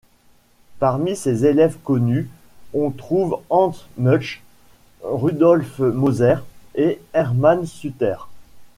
Parmi ses élèves connus, on trouve Hans Münch, Rudolf Moser et Hermann Suter.